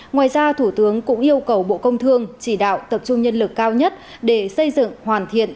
ngoài ra thủ tướng cũng yêu cầu bộ công thương chỉ đạo tập trung nhân lực cao nhất để xây dựng hoàn thiện